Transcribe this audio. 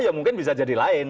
ya mungkin bisa jadi lain